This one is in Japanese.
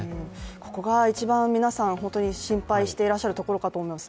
ここが一番皆さん本当に心配してらっしゃるところかと思います。